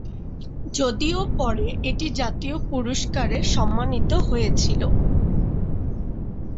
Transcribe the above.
যদিও পরে এটি জাতীয় পুরস্কারে সম্মানিত হয়েছিল।